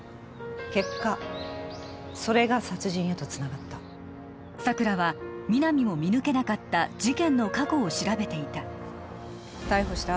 結果それが殺人へとつながった佐久良は皆実も見抜けなかった事件の過去を調べていた逮捕した